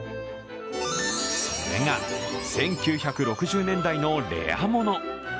それが１９６０年代のレアもの。